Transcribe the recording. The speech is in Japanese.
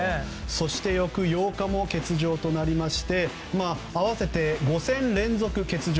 そして翌８日も欠場となりまして合わせて５戦連続欠場。